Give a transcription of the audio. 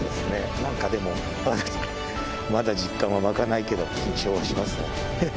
なんかでも、まだ実感は湧かないけど、緊張はしますね。